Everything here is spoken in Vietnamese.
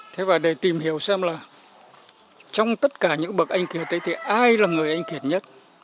thế và để tìm hiểu xem là trong tất cả những bậc anh kiệt thì ai là người anh kiệt nhất